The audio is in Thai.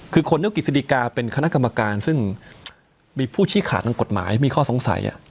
คือคนนึกกิจสดีกาเป็นคณะกรรมการซึ่งมีผู้ชี้ขาดทางกฎหมายมีข้อสงสัย